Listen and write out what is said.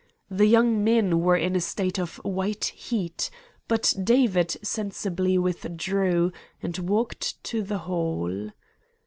The young men were in a state of white heat, but David sensibly withdrew, and walked to the Hall.